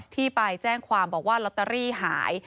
ที่ไปแจ้งความบอกว่าลอตเตอรี่หาย